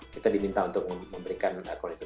kita diminta untuk memberikan kualitas